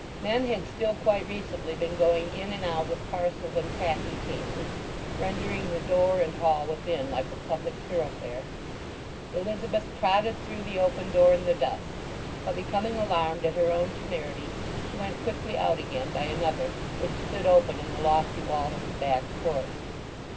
Men had still quite recently been going in and out with parcels and packing cases, rendering the door and hall within like a public thoroughfare. Elizabeth trotted through the open door in the dusk, but becoming alarmed at her own temerity she went quickly out again by another which stood open in the lofty wall of the back court.